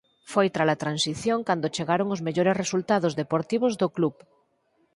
Foi trala transición cando chegaron os mellores resultados deportivos do club.